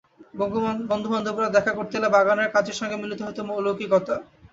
বন্ধুবান্ধবরা দেখা করতে এলে বাগানের কাজের সঙ্গে মিলিত হত লৌকিকতা।